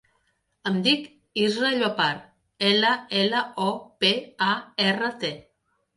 Em dic Israa Llopart: ela, ela, o, pe, a, erra, te.